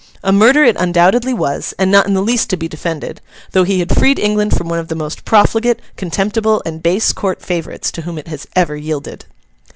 A murder it undoubtedly was, and not in the least to be defended: though he had freed England from one of the most profligate, contemptible, and base court favourites to whom it has ever yielded.